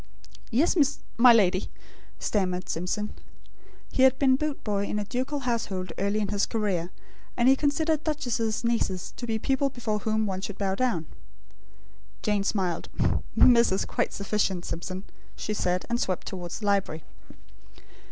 "Yes, miss m'lady," stammered Simpson. He had been boot boy in a ducal household early in his career; and he considered duchesses' nieces to be people before whom one should bow down. Jane smiled. "'Miss' is quite sufficient, Simpson," she said; and swept towards the library.